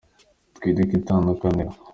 Twereke itandukaniro.